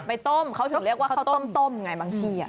ใบต้มของเขาฝึกเรียกว่าข้าวต้มไงบางที่